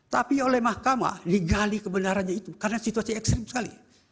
tapi oleh mahkamah digali kebenarannya itu karena situasi ekstrim sekali